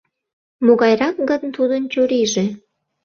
Могайрак гын тудын чурийже?